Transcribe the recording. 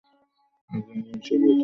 এখন ভবিষ্যৎ ও অতীত ভাবিবার অবসর পাইলাম।